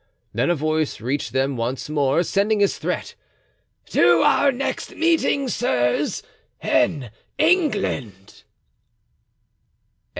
Then a voice reached them once more, sending this threat: "To our next meeting, sirs, in England."